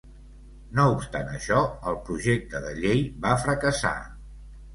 No obstant això, el projecte de llei va fracassar.